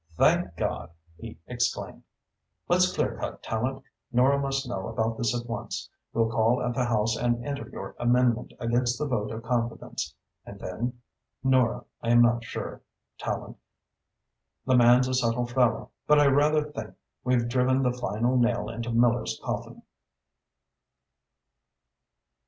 "Thank God!" he exclaimed. "Let's clear cut, Tallente. Nora must know about this at once. We'll call at the House and enter your amendment against the vote of confidence. And then Nora. I am not sure, Tallente the man's a subtle fellow but I rather think we've driven the final nail into Miller's coffin."